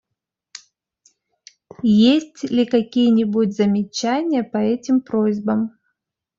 Есть ли какие-нибудь замечания по этим просьбам?